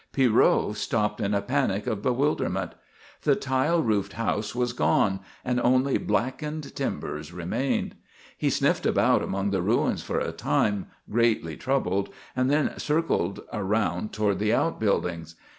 Pierrot stopped in a panic of bewilderment. The tile roofed house was gone and only blackened timbers remained. He sniffed about among the ruins for a time, greatly troubled, and then circled around toward the outbuildings.